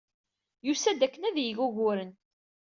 Yusa-d akken ad d-yeg uguren.